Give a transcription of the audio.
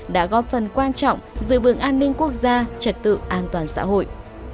đã góp phần quan trọng giữ vững an ninh quốc gia trật tự an toàn xã hội